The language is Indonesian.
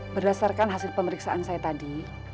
berdasarkan hasil pemeriksaan saya tadi